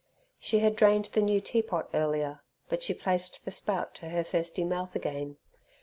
She had drained the new tea pot earlier, but she placed the spout to her thirsty mouth again.